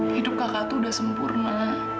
hidup kakak itu udah sempurna